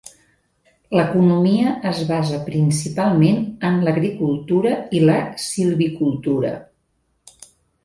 L'economia es basa principalment en l'agricultura i la silvicultura.